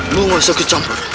lu nggak bisa kecampur